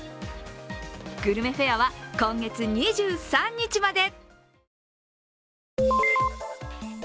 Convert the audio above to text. グルメフェアは、今月２３日まで。